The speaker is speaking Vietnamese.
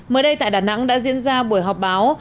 mới đây tại đà nẵng đã diễn ra buổi họp báo